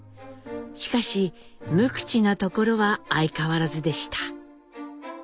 しかし無口なところは相変わらずでした。